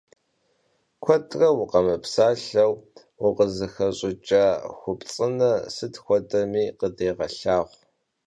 Kuedre vumıpsalheu vukhızexeş'ıç'a xupts'ıner sıt xuedemi khıdeğelhağu.